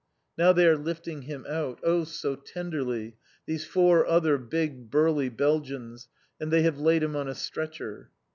Now they are lifting him out, oh, so tenderly, these four other big, burly Belgians, and they have laid him on a stretcher.